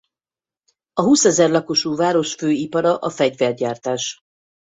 A húszezer lakosú város fő ipara a fegyvergyártás.